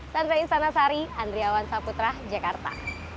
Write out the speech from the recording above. sampai jumpa di video selanjutnya